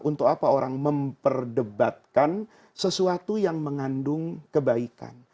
untuk apa orang memperdebatkan sesuatu yang mengandung kebaikan